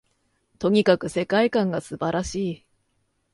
とにかく世界観が素晴らしい